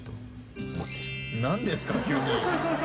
何ですか急に？